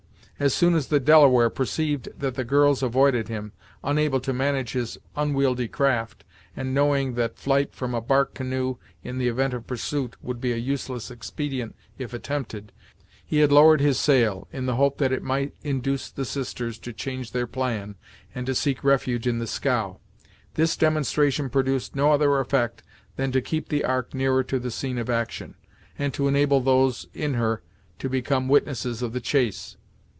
As soon as the Delaware perceived that the girls avoided him, unable to manage his unwieldy craft, and knowing that flight from a bark canoe, in the event of pursuit, would be a useless expedient if attempted, he had lowered his sail, in the hope it might induce the sisters to change their plan and to seek refuge in the scow. This demonstration produced no other effect than to keep the Ark nearer to the scene of action, and to enable those in her to become witnesses of the chase.